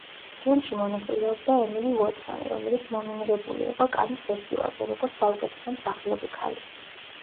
ფილმში მონაწილეობდა ემილი უოტსონი, რომელიც ნომინირებული იყო კანის ფესტივალზე, როგორც საუკეთესო მსახიობი ქალი.